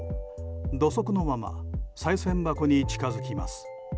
土足のままさい銭箱に近づきます。